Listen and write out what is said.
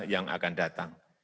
yang akan datang